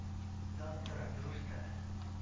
だったらどうした？